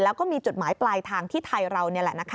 แล้วก็มีจุดหมายปลายทางที่ไทยเรา